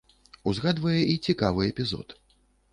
Узгадвае і цікавы эпізод.